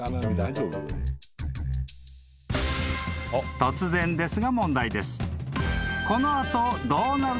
［突然ですが問題です］